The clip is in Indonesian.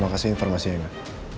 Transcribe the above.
terima kasih informasinya enggak